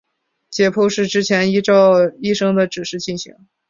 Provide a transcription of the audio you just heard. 解剖是之前依照医生的指示进行。